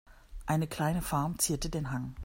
Eine kleine Farm zierte den Hang.